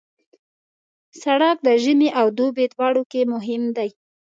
سړک د ژمي او دوبي دواړو کې مهم دی.